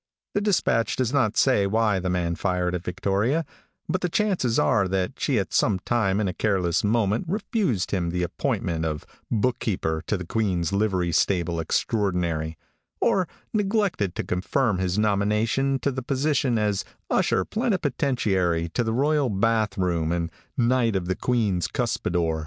The dispatch does not say why the man fired at Victoria, but the chances are that she at some time in a careless moment refused him the appointment of Book keeper to the Queen's Livery Stable Extraordinary, or neglected to confirm his nomination to the position as Usher Plenipotentiary to the Royal Bath Room and Knight of the Queen's Cuspidor.